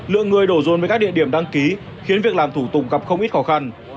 lượng người đổ rồn với các địa điểm đăng ký khiến việc làm thủ tục gặp không ít khó khăn